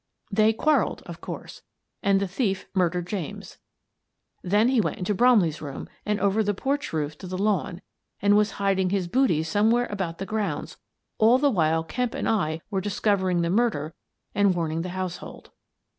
They quarrelled, of course, and the thief murdered James. Then he went into Bromley's room and over the porch roof to the lawn and was hiding his booty somewhere about the grounds all the while Kemp and I were discovering the murder and warning the household.